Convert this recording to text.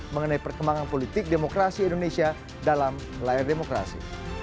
mengenai perkembangan politik demokrasi indonesia dalam layar demokrasi